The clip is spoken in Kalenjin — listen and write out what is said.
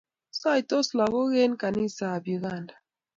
Saitos lakok eng kanisa ab uganda